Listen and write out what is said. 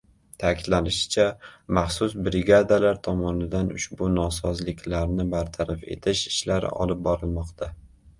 Ta’kidlanishicha, maxsus brigadalar tomonidan ushbu nosozliklarni bartaraf etish ishlari olib borilmoqda